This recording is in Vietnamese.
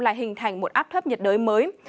lại hình thành một áp thấp nhiệt đới mới